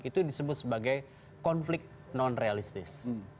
itu disebut sebagai konflik non realistis